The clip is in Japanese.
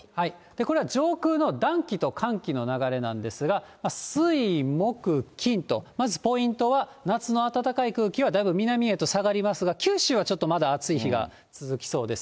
これは上空の暖気と寒気の流れなんですが、水、木、金と、まずポイントは夏の暖かい空気はだいぶ南へと下がりますが、九州はちょっとまだ暑い日が続きそうです。